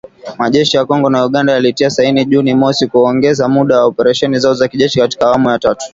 Majeshi ya Kongo na Uganda yalitia saini Juni mosi kuongeza muda wa operesheni zao za kijeshi katika awamu ya tatu.